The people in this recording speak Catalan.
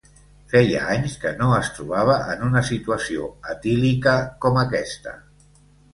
Feia anys que no es trobava en una situació etílica com aquesta.